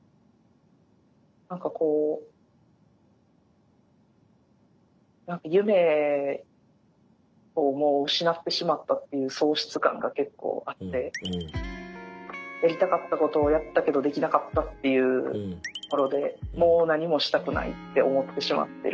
何かこう何か夢をもう失ってしまったっていう喪失感が結構あってやりたかったことをやったけどできなかったっていうところでもう何もしたくないって思ってしまってる。